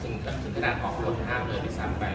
จึงจากปรุณะตอบของห้ามด้วยที่สำคัญ